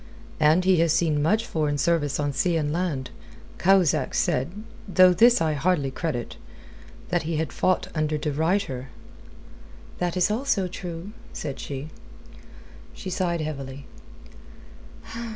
"And he has seen much foreign service on sea and land. Cahusac said though this I hardly credit that he had fought under de Ruyter." "That also is true," said she. She sighed heavily.